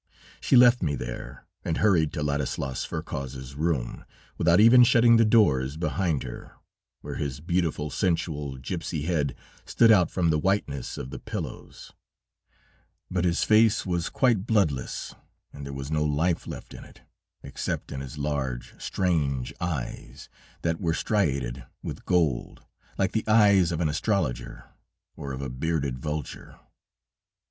She left me there, and hurried to Ladislas Ferkoz's room, without even shutting the doors behind her, where his beautiful, sensual, gipsy head stood out from the whiteness of the pillows; but his face was quite bloodless, and there was no life left in it, except in his large, strange eyes, that were striated with gold, like the eyes of an astrologer or of a bearded vulture.